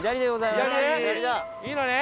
いいのね？